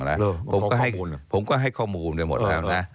เหรอข้อมูลเหรอผมก็ให้ข้อมูลหมดแล้วนะ